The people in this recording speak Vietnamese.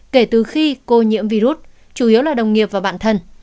kể từ khi cô nhiễm virus chủ yếu là đồng nghiệp và bản thân